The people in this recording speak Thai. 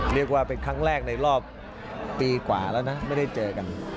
เรียกว่าเป็นครั้งแรกในรอบปีกว่าแล้วนะไม่ได้เจอกัน